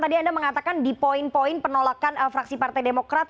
tadi anda mengatakan di poin poin penolakan fraksi partai demokrat